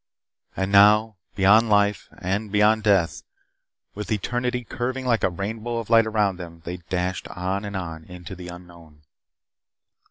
And now, beyond life, and beyond death, with eternity curving like a rainbow of light around them, they dashed on and on into the unknown.